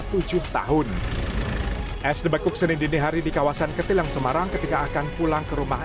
tujuh tahun sdb kukse nidinihari di kawasan ketilang semarang ketika akan pulang ke rumah